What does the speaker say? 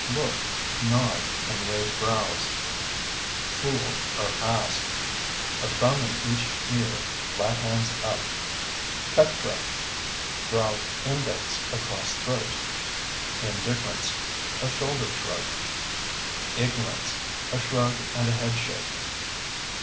(Look, nod and raise brows). Fool or Ass (A thumb in each ear, flat hands up). Cut throat (Draw index across throat). Indifference (A shoulder shrug). Ignorance (A shrug and a head shake).